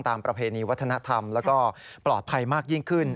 ประเพณีวัฒนธรรมแล้วก็ปลอดภัยมากยิ่งขึ้น